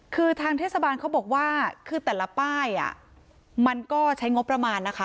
คือทางเทศบาลเขาบอกว่าคือแต่ละป้ายมันก็ใช้งบประมาณนะคะ